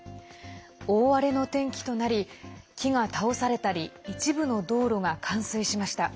大荒れの天気となり木が倒されたり一部の道路が冠水しました。